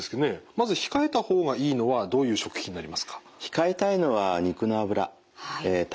まず控えた方がいいのはどういう食品になりますか？